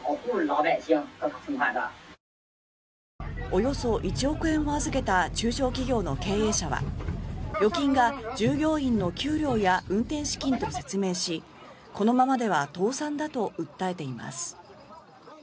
およそ１億円を預けた中小企業の経営者は預金が従業員の給料や運転資金と説明しこのままでは倒産だと訴えています。